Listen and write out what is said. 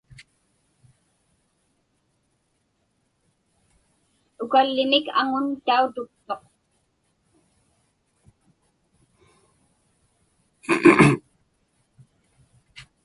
Ukallimik aŋun tautuktuq.